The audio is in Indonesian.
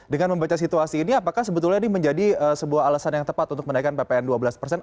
dengan membaca situasi ini apakah sebetulnya ini menjadi sebuah alasan yang tepat untuk menaikkan ppn dua belas persen